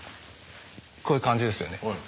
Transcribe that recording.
こういう感じですよね。